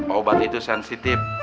obat itu sensitif